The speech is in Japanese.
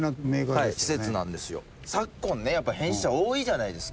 昨今ねやっぱり変質者多いじゃないですか。